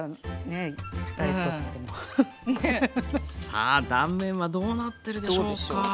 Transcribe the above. さあ断面はどうなってるでしょうか？